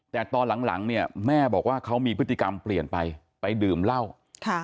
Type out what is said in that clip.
แต่ตอนหลังหลังเนี่ยแม่บอกว่าเขามีพฤติกรรมเปลี่ยนไปไปดื่มเหล้าค่ะ